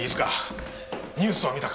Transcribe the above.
ニュースを見たか？